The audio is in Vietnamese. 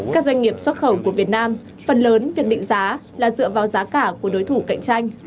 các doanh nghiệp xuất khẩu của việt nam phần lớn việc định giá là dựa vào giá cả của đối thủ cạnh tranh